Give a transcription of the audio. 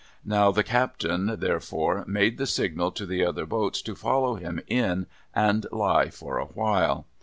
Now, the Captain, therefore, made the signal to the other boats to follow him in and lie by a while.